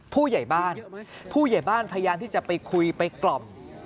ผู้ใหญ่บ้านผู้ใหญ่บ้านพยายามที่จะไปคุยไปกล่อม